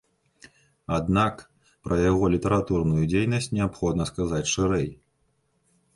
Аднак пра яго літаратурную дзейнасць неабходна сказаць шырэй.